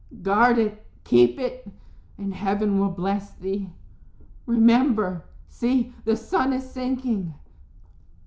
"Guard it, keep it, and heaven will bless thee. Remember! See, the sun is sinking."